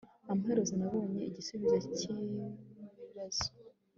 amaherezo nabonye igisubizo cyikibazo